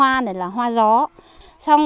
bắt đầu mua hoa gió rồi